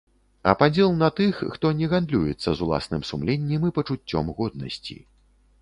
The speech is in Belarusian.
А падзел на тых, хто не гандлюецца з уласным сумленнем і пачуццём годнасці.